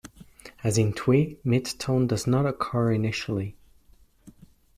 As in Twi, mid tone does not occur initially.